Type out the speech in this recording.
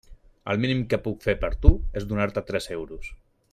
El mínim que puc fer per tu és donar-te tres euros.